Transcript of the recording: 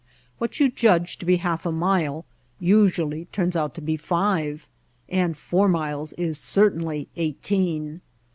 What you judge to be half a mile usually turns out to be five, and four miles is certainly eighteen.